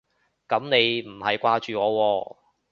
噉你唔係掛住我喎